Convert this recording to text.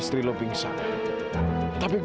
ya allah gimana ini